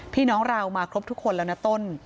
พี่น้องเรามาครบทุกคนแล้วนะต้น